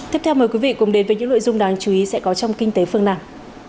tiếp theo mời quý vị cùng đến với những nội dung đáng chú ý sẽ có trong kinh tế phương nam